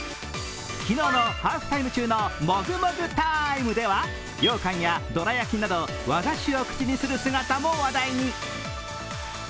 昨日のハーフタイム中のもぐもぐタイムではようかんやどら焼きなど和菓子を口にする姿も話題に。